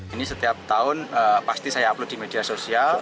ini setiap tahun pasti saya upload di media sosial